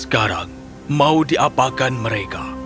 sekarang mau diapakan mereka